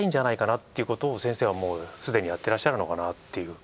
っていうことを先生はもうすでにやってらっしゃるのかなっていう。